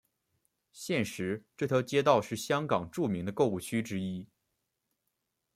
现时这条街道是香港著名的购物区之一。